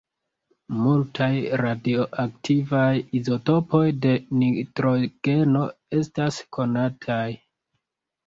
Multaj radioaktivaj izotopoj de nitrogeno estas konataj.